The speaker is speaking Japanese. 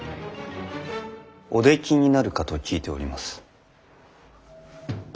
おできになるかと聞いております。